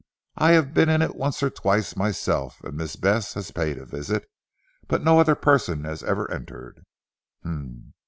I have been in it once or twice myself, and Miss Bess has paid a visit. But no other person has ever entered."